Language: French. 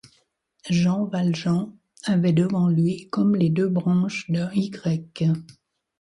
Jean Valjean avait devant lui comme les deux branches d'un Y.